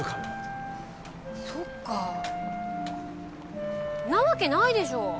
そっかぁんなわけないでしょ。